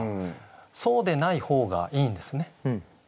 そうでない方がいいんですね。